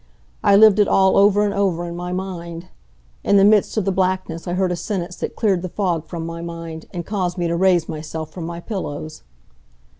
I lived it all over and over in my mind. In the midst of the blackness I heard a sentence that cleared the fog from my mind, and caused me to raise myself from my pillows.